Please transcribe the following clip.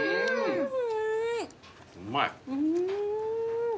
うまい。